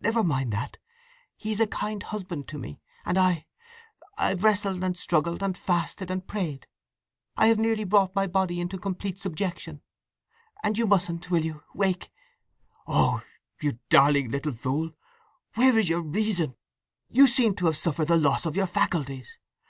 "Never mind that. He is a kind husband to me—And I—I've wrestled and struggled, and fasted, and prayed. I have nearly brought my body into complete subjection. And you mustn't—will you—wake—" "Oh you darling little fool; where is your reason? You seem to have suffered the loss of your faculties!